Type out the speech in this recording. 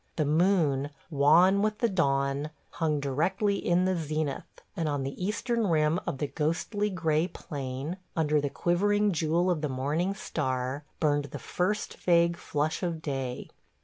The moon, wan with the dawn, hung directly in the zenith, and on the eastern rim of the ghostly gray plain, under the quivering jewel of the morning star, burned the first vague flush of day.